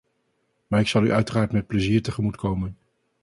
Maar ik zal u uiteraard met plezier tegemoetkomen.